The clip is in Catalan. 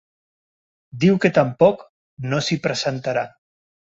Diu que tampoc no s’hi presentarà.